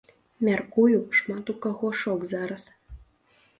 Мяркую, шмат у каго шок зараз.